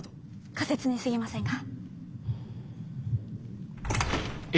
仮説にすぎませんが。